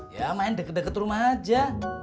ya main deket deket rumah aja